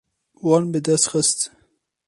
Wan bi dest xist.